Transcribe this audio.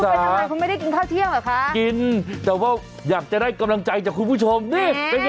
ไปทำไมคุณไม่ได้กินข้าวเที่ยงเหรอคะกินแต่ว่าอยากจะได้กำลังใจจากคุณผู้ชมนี่เป็นไง